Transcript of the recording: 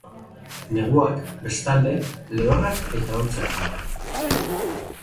Neguak, bestalde, lehorrak eta hotzak dira.